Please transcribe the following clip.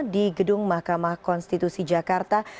di gedung mahkamah konstitusi jakarta